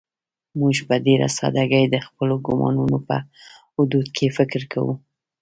موږ په ډېره سادهګۍ د خپلو ګومانونو په حدودو کې فکر کوو.